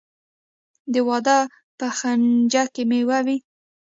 د واده په خنچه کې میوه وي.